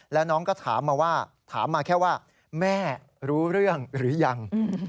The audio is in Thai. แล้วน้องก็ถามมาว่าถามมาแค่ว่าแม่รู้เรื่องหรือยัง